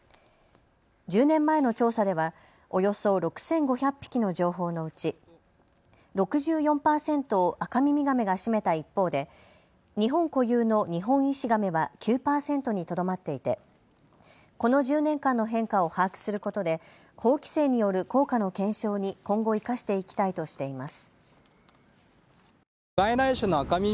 １０年前の調査ではおよそ６５００匹の情報のうち６４％をアカミミガメが占めた一方で日本固有のニホンイシガメは９％にとどまっていてこの１０年間の変化を把握することで法規制による効果の検証に今後、生かしていきたいとしています。